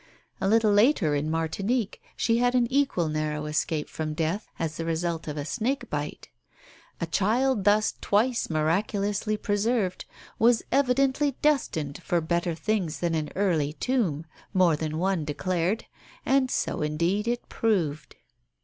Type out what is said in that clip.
A little later, in Martinique, she had an equally narrow escape from death as the result of a snakebite. A child thus twice miraculously preserved was evidently destined for better things than an early tomb, more than one declared; and so indeed it proved.